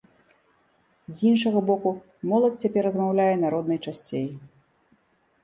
З іншага боку, моладзь цяпер размаўляе на роднай часцей.